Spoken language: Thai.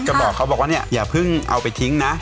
บอกเขาบอกว่าเนี่ยอย่าเพิ่งเอาไปทิ้งนะ